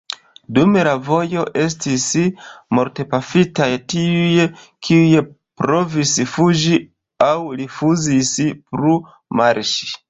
Dum la vojo estis mortpafitaj tiuj, kiuj provis fuĝi aŭ rifuzis plu marŝi.